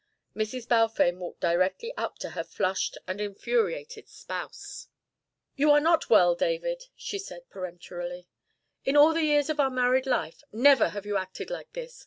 Mrs. Balfame walked directly up to her flushed and infuriated spouse. "You are not well, David," she said peremptorily. "In all the years of our married life never have you acted like this.